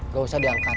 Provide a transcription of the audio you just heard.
gak usah diangkat